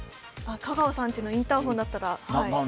香川さん家のインターフォンだったら。